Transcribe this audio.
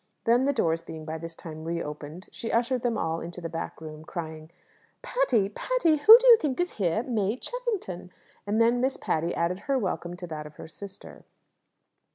Then, the doors being by this time reopened, she ushered them all into the back room, crying "Patty! Patty! Who do you think is here? May Cheffington!" and then Miss Patty added her welcome to that of her sister.